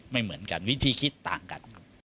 ไม่เหมือนกันวิธีคิดต่างกัน